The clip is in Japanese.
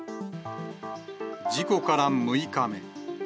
事故から６日目。